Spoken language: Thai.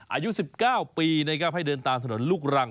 อายุ๑๙ปีนะครับให้เดินตามถนนลูกรัง